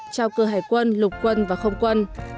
trao cơ hải quân lục quân và không quân